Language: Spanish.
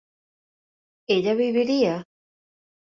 ¿ella viviría?